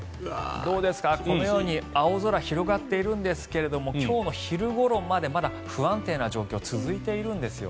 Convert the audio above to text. どうですか、このように青空が広がっているんですが今日の昼ごろまでまだ不安定な状況が続いているんです。